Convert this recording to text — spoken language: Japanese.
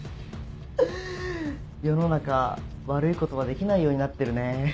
世の中悪いことはできないようになってるね。